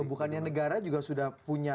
bukannya negara juga sudah punya